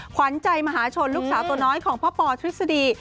ขวัญใจมหาชนลูกสาวตัวน้อยของพ่อปอทฤษฎี